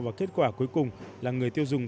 và kết quả cuối cùng là người tiêu dùng